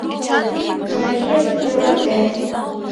Мариетым йӧратен».